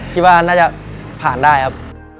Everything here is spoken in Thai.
คิดว่าน่าจะผ่านได้ครับ